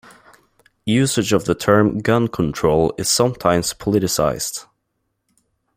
Usage of the term "gun control" is sometimes politicized.